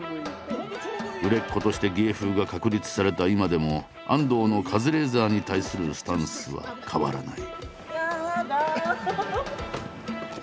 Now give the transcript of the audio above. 売れっ子として芸風が確立された今でも安藤のカズレーザーに対するスタンスは変わらない。